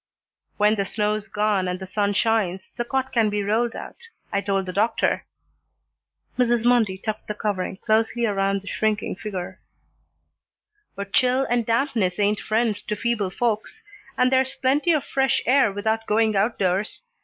"When the snow's gone and the sun shines, the cot can be rolled out, I told the doctor," Mrs. Mundy tucked the covering closely around the shrinking figure, "but chill and dampness ain't friends to feeble folks, and there's plenty of fresh air without going outdoors.